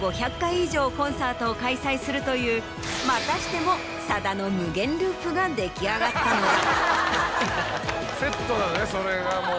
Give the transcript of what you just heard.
するというまたしてもさだの無限ループが出来上がったのだ。